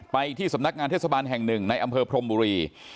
ไปที่สำนักงานเทศบาลแห่งหนึ่งในอำเภอพรมบุรี